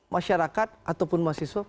masyarakat ataupun mahasiswa